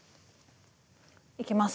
いきます。